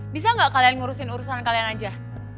bisa nggak kalian ngurusin urusan kalian aja